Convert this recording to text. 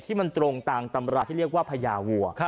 ที่มันตรงตามตำราที่เรียกว่าพญาวัว